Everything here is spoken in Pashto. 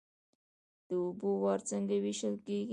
د اوبو وار څنګه ویشل کیږي؟